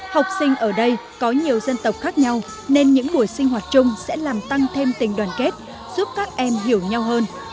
học sinh ở đây có nhiều dân tộc khác nhau nên những buổi sinh hoạt chung sẽ làm tăng thêm tình đoàn kết giúp các em hiểu nhau hơn